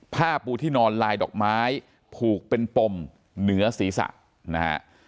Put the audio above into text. ผ้าปูที่นอนลายดอกไม้ผูกเป็นปมเหนือศีรษะนะฮะ